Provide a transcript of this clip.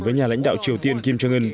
với nhà lãnh đạo triều tiên kim trương ươn